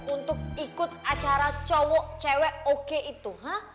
untuk ikut acara cowok cewek oke itu